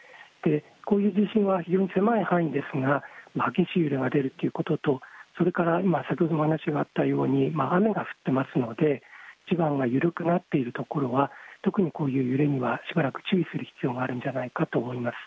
こういう地震は非常に狭い範囲ですが、激しい揺れが出るということと、それから今、先ほどもお話があったように、雨が降ってますので、地盤が緩くなっているところは、特にこういう揺れにはしばらく注意する必要があるんじゃないかと思います。